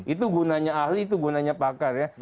itu gunanya ahli itu gunanya pakar ya